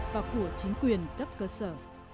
và của chính quyền đất cơ sở